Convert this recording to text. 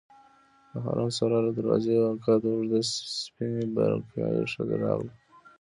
د حرم سرا له دروازې یوه قد اوږده سپینې برقعې ښځه راغله.